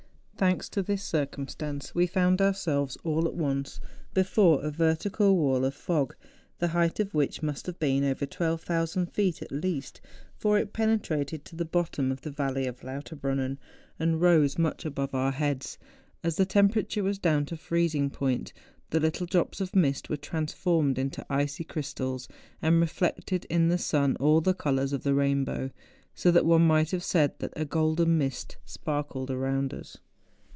Thanks to this circumstance, we found our¬ selves, all at once, before a vertical wall of fog, the height of which must have been over 12,000 feet at least, for it penetrated to the bottom of the Valley of Lauterbrunnen and rose much above our heads. As the temperature was down to freezing point, the little drops of mist were transformed into icy crystals, and reflected in the sun all the colours of the rain¬ bow ; so that one might have said that a golden mist sparkled around us.